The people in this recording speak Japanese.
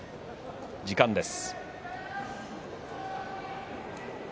時間です。